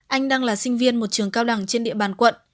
anh đang là sinh viên một trường cao đẳng trên địa bàn quận